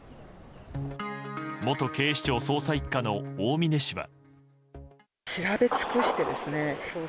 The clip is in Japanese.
元警視庁捜査１課の大峯氏は。